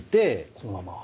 このまま。